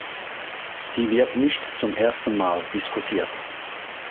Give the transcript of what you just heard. Sie wird nicht zum ersten Mal diskutiert.